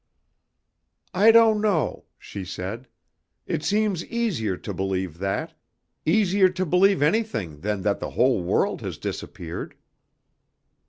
"I don't know," she said. "It seems easier to believe that, easier to believe anything than that the whole world has disappeared."